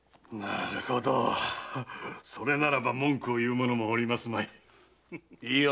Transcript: なるほどそれならば文句を言う者もおりますまい。